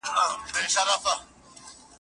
موږ تر سهاره د